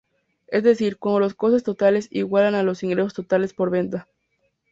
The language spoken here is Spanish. Es decir, cuando los costes totales igualan a los ingresos totales por venta.